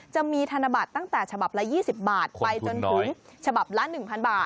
จะมีธนบัตรตั้งแต่ฉบับละ๒๐บาทไปจนถึงฉบับละ๑๐๐บาท